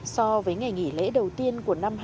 so với ngày nghỉ lễ đầu tiên của năm hai nghìn hai mươi